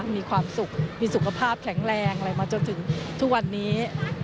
มีความสุขมีสุขภาพแข็งแรงอะไรมาจนถึงทุกวันนี้